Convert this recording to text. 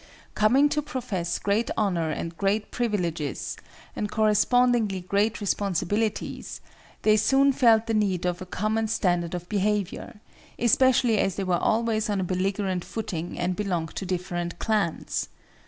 Coming to profess great honor and great privileges, and correspondingly great responsibilities, they soon felt the need of a common standard of behavior, especially as they were always on a belligerent footing and belonged to different clans.